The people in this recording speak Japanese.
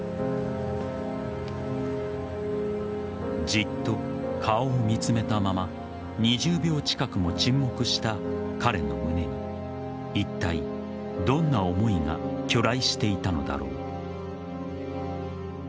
じっと顔を見つめたまま２０秒近くも沈黙した彼の胸にいったい、どんな思いが去来していたのだろう。